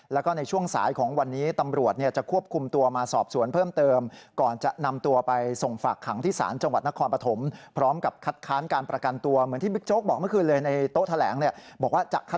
และก็ในช่วงสายของวันนี้ตำรวจ